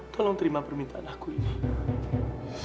tolong terima permintaan aku ini